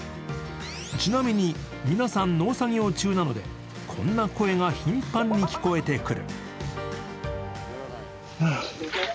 ちなみに、皆さん、農作業中なので、こんな声が頻繁に聞こえてくる。